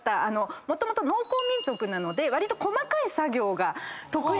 もともと農耕民族なのでわりと細かい作業が得意なんですよ。